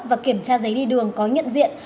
và kiểm tra giấy đi đường có nhận diện